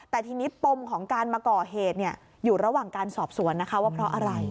แต่ทีนี้ปมของการมาก่อเหตุอยู่ระหว่างการสอบสวนนะคะว่าเพราะอะไร